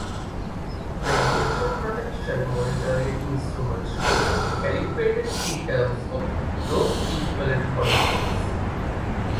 Radiation protection monitoring instruments should be calibrated in terms of dose equivalent quantities.